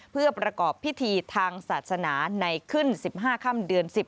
เพื่อประกอบพิธีทางศาสนาในขึ้น๑๕ค่ำเดือน๑๐